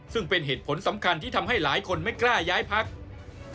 ซึ่งเป็นเหตุผลสำคัญที่ทำให้หลายคนไม่กล้าย้ายพัก